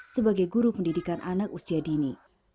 sebagai guru pendidikan anak usia dini